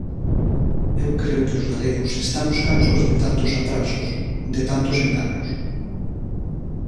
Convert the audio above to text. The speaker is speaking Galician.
Eu creo que os galegos estamos cansos de tantos atrasos, de tantos enganos.